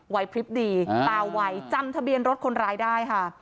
พริบดีตาไวจำทะเบียนรถคนร้ายได้ค่ะ